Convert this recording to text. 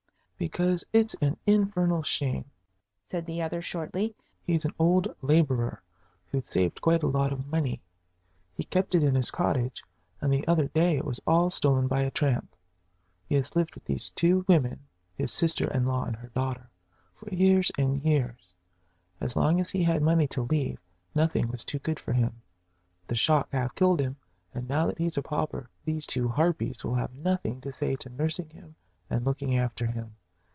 "Because it's an infernal shame!" said the other, shortly. "He's an old laborer who'd saved quite a lot of money. He kept it in his cottage, and the other day it was all stolen by a tramp. He has lived with these two women his sister in law and her daughter for years and years. As long as he had money to leave, nothing was too good for him. The shock half killed him, and now that he's a pauper these two harpies will have nothing to say to nursing him and looking after him.